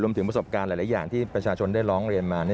ถึงประสบการณ์หลายอย่างที่ประชาชนได้ร้องเรียนมา